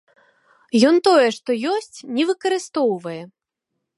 Ён тое, што ёсць, не выкарыстоўвае.